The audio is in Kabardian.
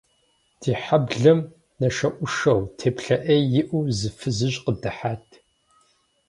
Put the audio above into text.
Ди хьэблэм нашэӏушэу, теплъэ ӏей иӏэу, зы фызыжь къыдыхьат.